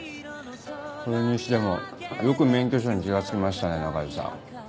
それにしてもよく免許証に気がつきましたね仲井戸さん。